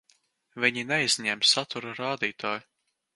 Viņi neizņēma satura rādītāju.